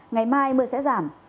ngày mai mưa sẽ giảm